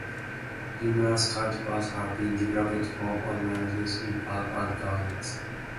Numerous cultivars have been developed for ornamental use in parks and gardens.